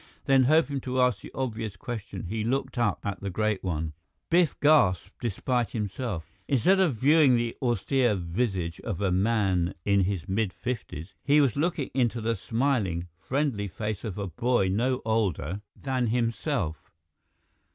Then, hoping to ask the obvious question, he looked up at the Great One. Biff gasped despite himself. Instead of viewing the austere visage of a man in his mid fifties, he was looking into the smiling, friendly face of a boy no older than himself.